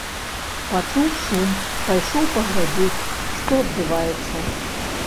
Пачуў шум, пайшоў паглядзець, што адбываецца.